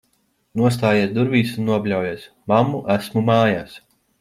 Nostājies durvīs un nobļaujies: "Mammu, esmu mājās!"